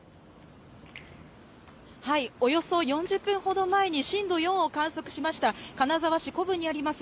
およそ４０分ほど前に震度４を観測しました金沢市古府にあります